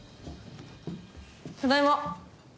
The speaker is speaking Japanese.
ただいま。